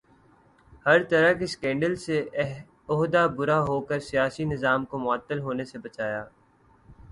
ہر طرح کے سکینڈل سے عہدہ برا ہو کر سیاسی نظام کو معطل ہونے سے بچایا